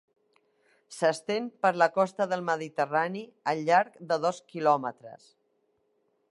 S'estén per la costa del Mediterrani al llarg de dos quilòmetres.